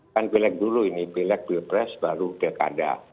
kan pilik dulu ini pilik pilpres baru pilkada